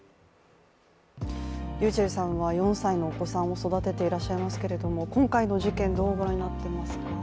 ｒｙｕｃｈｅｌｌさんは４歳のお子さんを育てていらっしゃいますけれども今回の事件、どうご覧になっていますか？